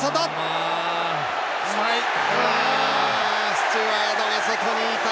スチュワードが外にいた。